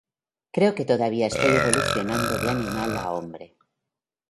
Creo que todavía estoy evolucionando de animal a hombre".